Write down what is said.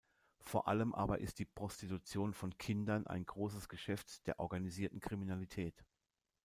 Vor allem aber ist die Prostitution von Kindern ein großes Geschäft der organisierten Kriminalität.